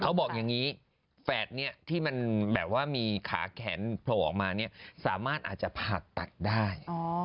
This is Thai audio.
เขาบอกอย่างนี้แฟดที่มีขาแขนโผล่ออกมาเนี่ยสามารถอาจจะผ่าตัดได้